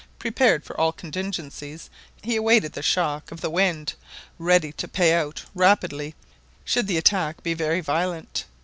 Prepared for all contingencies, he awaited the shock of the wind, ready to pay out rapidly should the attack be very violent.